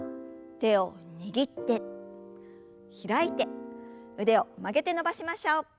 手を握って開いて腕を曲げて伸ばしましょう。